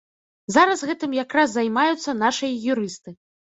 Зараз гэтым якраз займаюцца нашыя юрысты.